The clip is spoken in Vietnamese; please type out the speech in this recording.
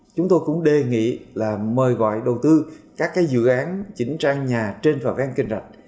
chúng tôi cũng đề nghị là mời gọi đầu tư các dự án chỉnh trang nhà trên và ven kênh rạch